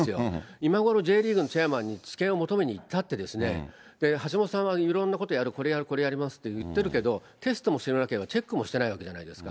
今ごろＪリーグのチェアマンに知見を求めに行ったってですね、橋本さんはいろんなことやる、これやる、これやりますって言ってるけど、テストもしてなければチェックもしてないわけじゃないですか。